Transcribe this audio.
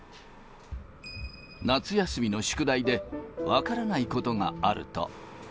夏休みの宿題で分からないことがあると。